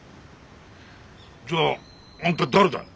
じゃあんた誰だい？